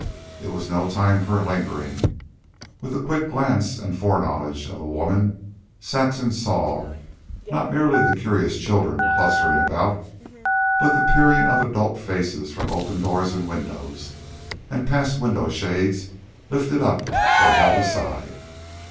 It was no time for lingering. With the quick glance and fore knowledge of a woman, Saxon saw, not merely the curious children clustering about, but the peering of adult faces from open doors and windows, and past window shades lifted up or held aside.